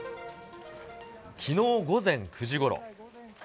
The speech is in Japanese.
きのう午前９時ごろ。